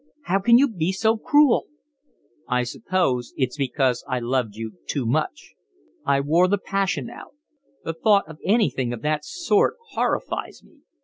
How can you be so cruel?" "I suppose it's because I loved you too much. I wore the passion out. The thought of anything of that sort horrifies me.